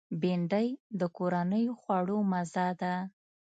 بېنډۍ د کورنیو خوړو مزه ده